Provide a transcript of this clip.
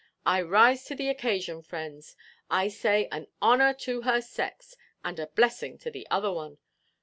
I rise to the occasion, friends; I say an honour to her sex, and a blessing to the other one.